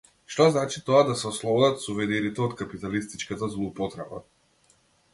Што значи тоа да се ослободат сувенирите од капиталистичката злоупотреба?